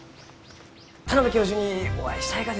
田邊教授にお会いしたいがです